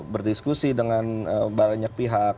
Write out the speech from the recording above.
berdiskusi dengan banyak pihak